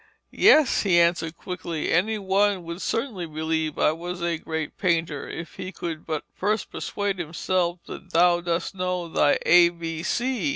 'Yes!' he answered quickly, 'any one would certainly believe I was a great painter, if he could but first persuade himself that thou dost know thy A B C.'